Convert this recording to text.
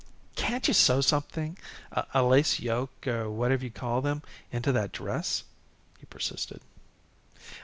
"Can't you sew something a lace yoke or whatever you call 'em in that dress?" he persisted.